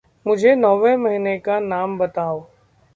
मुझे नौवे महीने का नाम बताओ।